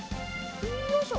よいしょ！